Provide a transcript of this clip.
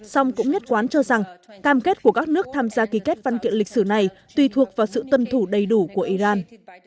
song cũng nhất quán cho rằng cam kết của các nước tham gia ký kết văn kiện lịch sử này tùy thuộc vào sự tuân thủ đầy đủ của iran